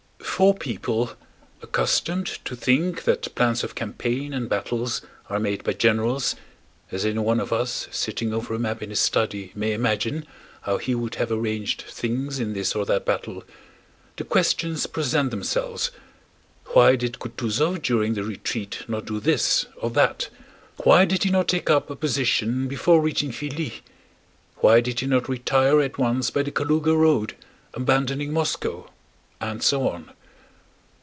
For people accustomed to think that plans of campaign and battles are made by generals—as anyone of us sitting over a map in his study may imagine how he would have arranged things in this or that battle—the questions present themselves: Why did Kutúzov during the retreat not do this or that? Why did he not take up a position before reaching Filí? Why did he not retire at once by the Kalúga road, abandoning Moscow? and so on.